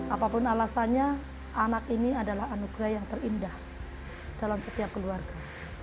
apapun alasannya anak ini adalah anugerah yang terindah dalam setiap keluarga